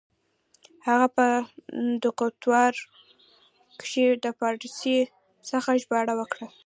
هغه په دوکتورا کښي د پاړسي څخه ژباړه وه.